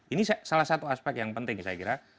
itu adalah salah satu aspek yang penting saya kira